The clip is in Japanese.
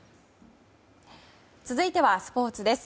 続いてはスポーツです。